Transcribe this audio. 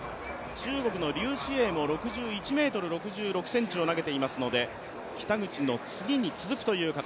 中国の劉詩穎も６１ｍ６６ｃｍを投げていますので北口の次に続くという形。